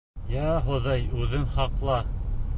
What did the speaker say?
Йә, Хоҙай, үҙең һаҡла...